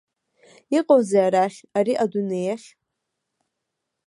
Иҟоузеи арахь, ари адунеиахь?